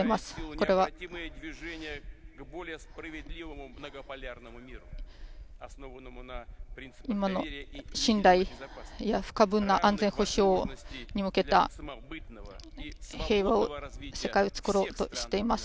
これは今の不可分の安全保障に向けた平和を、世界を作ろうとしています